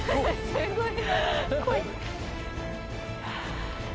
すごい。